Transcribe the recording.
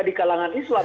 di kalangan islam